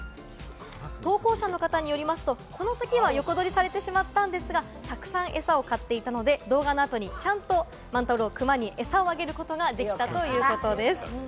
投稿者の方によりますと、この時は横取りされてしまったんですが、たくさんエサを買っていたので動画のあとに、ちゃんとクマにエサをあげることができたということです。